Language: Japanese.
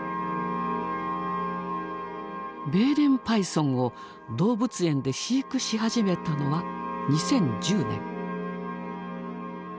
ベーレンパイソンを動物園で飼育し始めたのは２０１０年。